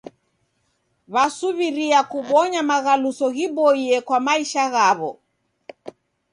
W'asuw'iria kubonya maghaluso ghiboie kwa maisha ghaw'o.